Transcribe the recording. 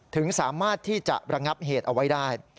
ถึงสามารถที่จะระงับเหตุเอาไว้ได้